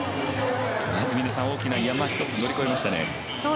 まず、大きな山一つ乗り越えましたね。